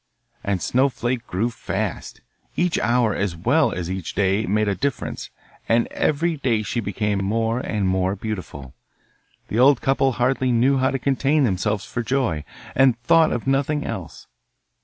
And Snowflake grew fast; each hour as well as each day made a difference, and every day she became more and more beautiful. The old couple hardly knew how to contain themselves for joy, and thought of nothing else.